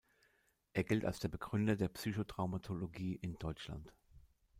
Er gilt als der Begründer der Psychotraumatologie in Deutschland.